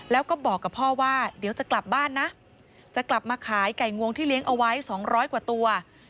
แล้วก็บอกกับพ่อว่าเดี๋ยวจะกลับบ้านนะจะกลับมาขายไก่งวงที่เลี้ยงเอาไว้๒๐๐กว่าตัว